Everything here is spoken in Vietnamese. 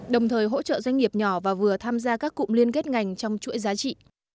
đồng thời hỗ trợ doanh nghiệp nhỏ và vừa tham gia các cụm liên kết ngành trong chuỗi giá trị